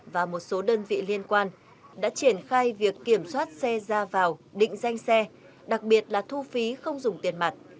và một số đơn vị liên quan đã triển khai việc kiểm soát xe ra vào định danh xe đặc biệt là thu phí không dùng tiền mặt